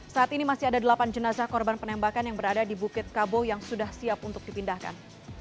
saat ini masih ada delapan jenazah korban penembakan yang berada di bukit kabo yang sudah siap untuk dipindahkan